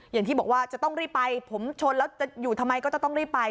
อย่างที่บอกว่าจะต้องรีบไปผมชนแล้วจะอยู่ทำไมก็จะต้องรีบไป